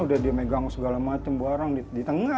udah di megang segala macam bareng